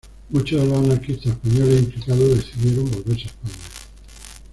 Muchos de los anarquistas españoles implicados decidieron volverse a España.